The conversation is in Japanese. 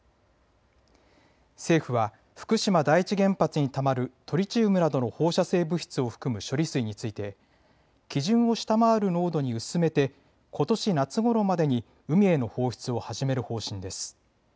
政府は福島第一原発にたまるトリチウムなどの放射性物質を含む処理水について基準を下回る濃度に薄めてことし夏ごろまでに海への放出を始める方針です。